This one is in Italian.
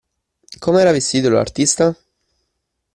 Com'era vestito, l'artista?